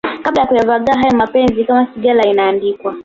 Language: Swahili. kabla ya kuyavagaa hayo mapenzi Kama sigara inaandikwa